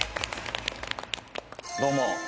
どうも。